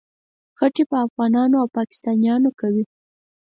خټې په افغانانو او پاکستانیانو کوي.